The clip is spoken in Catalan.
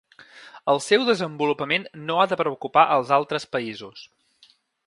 El seu desenvolupament no ha de preocupar els altres països.